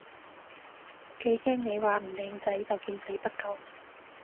幾驚你話唔靚仔就見死不救